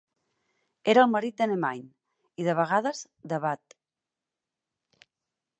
Era el marit de Nemain, i de vegades de Badb.